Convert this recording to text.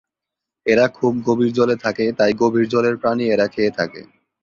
এরা খুব গভীর জলে থাকে তাই গভীর জলের প্রাণী এরা খেয়ে থাকে।